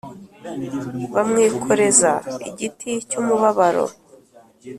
bamwikoreza igiti cy umubabaro